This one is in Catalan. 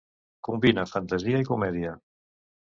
Combina fantasia i comèdia.